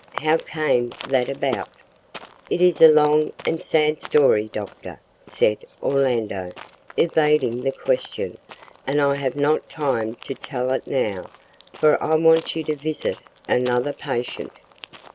How came that about?" "It is a long and sad story, doctor," said Orlando, evading the question, "and I have not time to tell it now, for I want you to visit another patient."